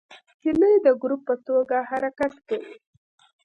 هیلۍ د ګروپ په توګه حرکت کوي